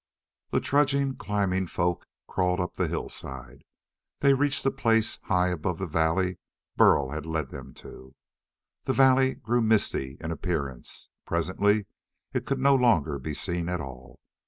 The trudging, climbing folk crawled up the hillside. They reached a place high above the valley Burl had led them to. That valley grew misty in appearance. Presently it could no longer be seen at all.